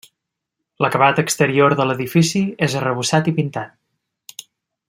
L'acabat exterior de l'edifici és arrebossat i pintat.